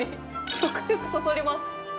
食欲そそります。